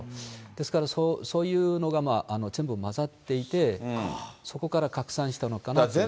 ですからそういうのが全部交ざっていて、そこから拡散したのかなと思いますね。